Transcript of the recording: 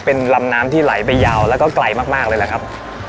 เป็นลำน้ำที่ไหลไปยาวแล้วก็ไกลมากเลยแหละครับ